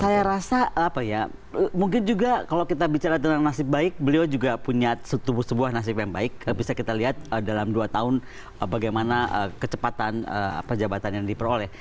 saya rasa apa ya mungkin juga kalau kita bicara tentang nasib baik beliau juga punya sebuah nasib yang baik bisa kita lihat dalam dua tahun bagaimana kecepatan jabatan yang diperoleh